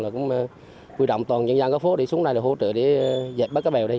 là cũng quy động toàn nhân dân ở phố đi xuống đây để hỗ trợ để dẹp bất cứ bèo đi